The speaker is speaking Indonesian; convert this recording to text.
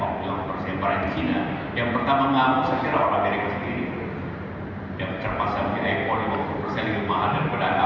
aku saya bertanya ke saudara saya bertanya ke saudara